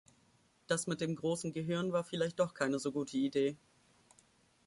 Das mit dem großen Gehirn war vielleicht doch keine so gute Idee.